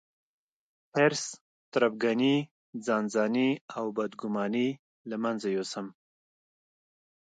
حرص، تربګني، ځانځاني او بدګوماني له منځه يوسم.